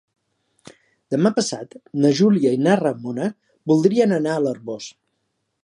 Demà passat na Júlia i na Ramona voldrien anar a l'Arboç.